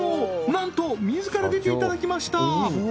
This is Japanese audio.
なんと自ら出ていただきました